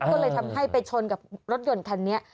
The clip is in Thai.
ก็เลยทำให้ไปชนกับรถยนต์คันนี้